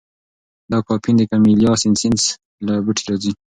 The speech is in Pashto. دا کافین د کمیلیا سینینسیس له بوټي راځي.